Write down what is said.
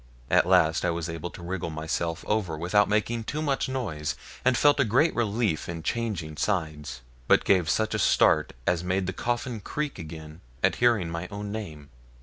At last I was able to wriggle myself over without making too much noise, and felt a great relief in changing sides, but gave such a start as made the coffin creak again at hearing my own name.